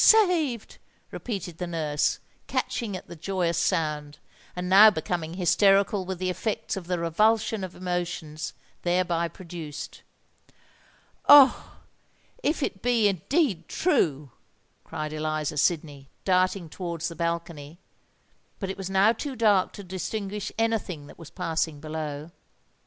saved!" repeated the nurse, catching at the joyous sound, and now becoming hysterical with the effects of the revulsion of emotions thereby produced. "Oh! if it be indeed true!" cried Eliza Sydney, darting towards the balcony; but it was now too dark to distinguish any thing that was passing below.